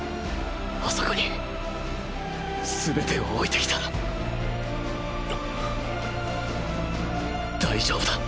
あそこにすべてを置いてきた大丈夫だ。